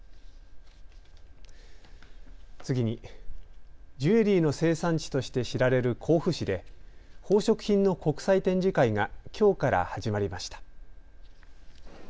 次に、ジュエリーの生産地として知られる甲府市で宝飾品の国際展示会がきょうから始まりました。